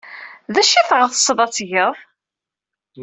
D acu ay tɣetsed ad t-tged?